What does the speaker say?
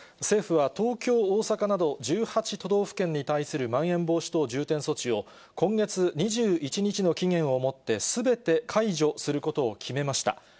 政府は東京、大阪など、１８都道府県に対するまん延防止等重点措置を、今月２１日の期限をもってすべて解除することを決めました。